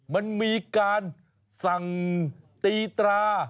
มันมีการสั่งตีตรา